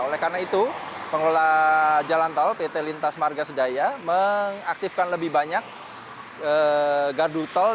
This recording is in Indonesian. oleh karena itu pengelola jalan tol pt lintas marga sedaya mengaktifkan lebih banyak gardu tol